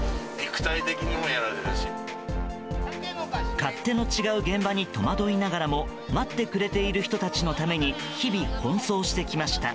勝手の違う現場に戸惑いながらも待ってくれている人たちのために日々、奔走してきました。